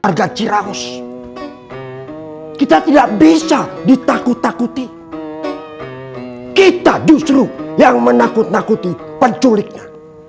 harga ciraus kita tidak bisa ditakut takuti kita justru yang menakut nakuti penculiknya